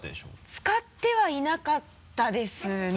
使ってはいなかったですね。